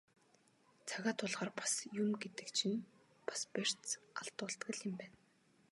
Цагаа тулахаар бас юм гэдэг чинь бас барьц алдуулдаг л юм байна.